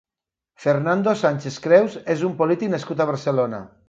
Fernando Sánchez Creus és un polític nascut a Barcelona.